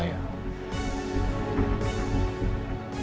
dan di tantke